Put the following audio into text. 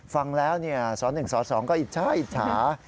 ฟังแล้วศ๑ศ๒ก็อิจฉา